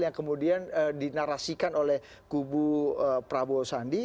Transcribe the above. yang kemudian dinarasikan oleh kubu prabowo sandi